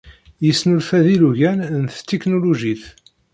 Yesnulfa-d ilugan n tetiknulujit